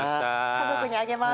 家族にあげます。